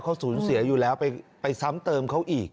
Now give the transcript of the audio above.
เขาสูญเสียอยู่แล้วไปซ้ำเติมเขาอีก